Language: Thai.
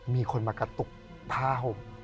มีคนมากระตุกผ้าห่ม